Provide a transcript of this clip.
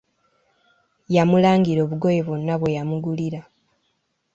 Yamulangira obugoye bwonna bwe yamugulira.